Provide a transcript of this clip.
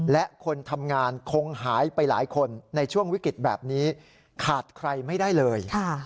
และคนทำงานคงหายไปหลายคนในช่วงวิกฤตแบบนี้ขาดใครไม่ได้เลย